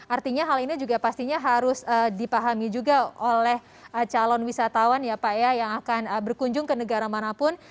artinya hal ini juga pastinya harus dipahami juga oleh calon wisatawan ya pak ya yang akan berkunjung ke negara manapun